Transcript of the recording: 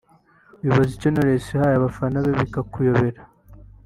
wibaza icyo Knowless yahaye abafana be bikakuyobera